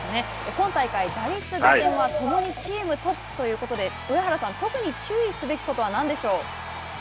今大会、打率、打点は、共にチームトップということで、上原さん、特に注意すべきことはなんでしょう。